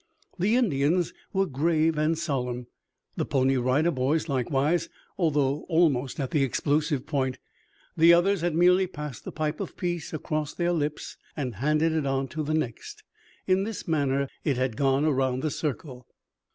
The Indians were grave and solemn, the Pony Rider Boys likewise, although almost at the explosive point. The others had merely passed the Pipe of peace across their lips and handed it on to the next. In this manner it had gone around the circle.